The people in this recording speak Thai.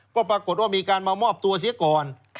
ก็ปรากฏว่ามีการมามอบตัวเสียก่อน